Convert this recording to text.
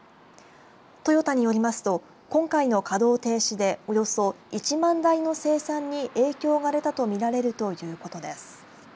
トヨタによりますと今回の稼働停止でおよそ１万台の生産に影響が出たと見られるということです。